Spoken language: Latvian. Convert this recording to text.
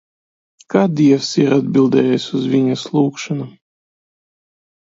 Kā Dievs ir atbildējis uz viņas lūgšanām?